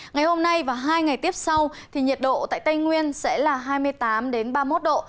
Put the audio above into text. ngày hôm nay và hai ngày tiếp sau thì nhiệt độ tại tây nguyên sẽ là hai mươi tám ba mươi một độ